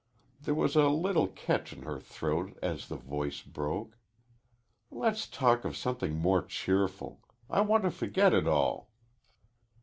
There was a little catch in her throat as the voice broke. "Let's talk of something more cheerful. I want to forget it all."